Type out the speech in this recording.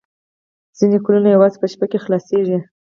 ځینې ګلونه یوازې په شپه کې خلاصیږي